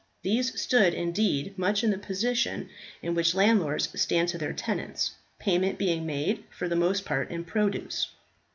These stood, indeed, much in the position in which landlords stand to their tenants, payment being made, for the most part, in produce.